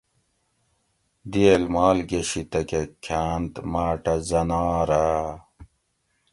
دئیل مال گۤشی تکہ کھاۤنت ماٹہ زنارہ